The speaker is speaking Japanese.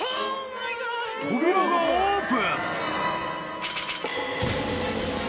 ［扉がオープン］